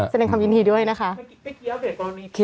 แสดงความยินดีด้วยนะคะ